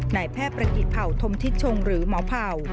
นายแพทย์ประกิจเผ่าธมทิศชงหรือหมอเผ่า